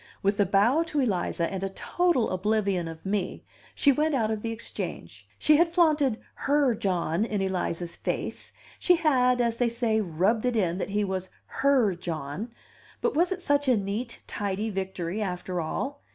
With a bow to Eliza, and a total oblivion of me, she went out of the Exchange. She had flaunted "her" John in Eliza's face, she had, as they say, rubbed it in that he was "her" John; but was it such a neat, tidy victory, after all?